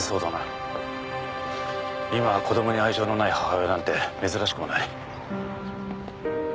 今は子供に愛情のない母親なんて珍しくもない。